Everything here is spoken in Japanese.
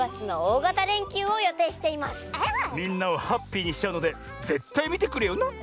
みんなをハッピーにしちゃうのでぜったいみてくれよな！